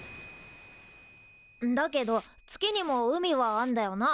んだけど月にも海はあんだよな？